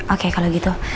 oke kalau gitu